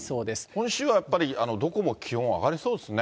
今週はやっぱりどこも気温、上がりそうですね。